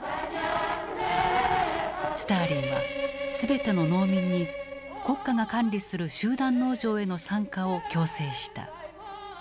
スターリンは全ての農民に国家が管理する集団農場への参加を強制した。